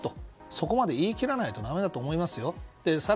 そこまで言い切らないとだめだと思いますよ。